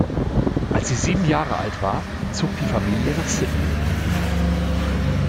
Als sie sieben Jahre alt war, zog die Familie nach Sydney.